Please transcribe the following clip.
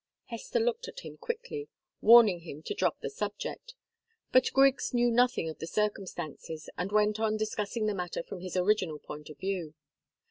Hester looked at him quickly, warning him to drop the subject. But Griggs knew nothing of the circumstances, and went on discussing the matter from his original point of view.